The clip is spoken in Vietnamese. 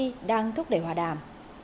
houthi đang thúc đẩy hòa đảm